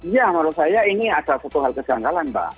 ya menurut saya ini adalah suatu hal kejanggalan mbak